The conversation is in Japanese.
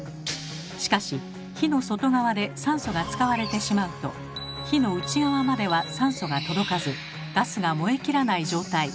しかし火の外側で酸素が使われてしまうと火の内側までは酸素が届かずガスが燃えきらない状態